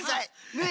ねえ。